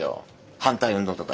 反対運動とか。